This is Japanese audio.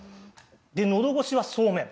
のどごしは、そうめん。